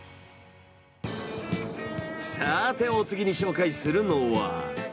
さて、お次に紹介するのは。